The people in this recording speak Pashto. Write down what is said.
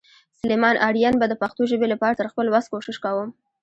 سلیمان آرین به د پښتو ژبې لپاره تر خپل وس کوشش کوم.